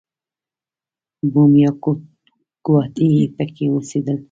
بوم یا ګواټي پکې اوسېدل.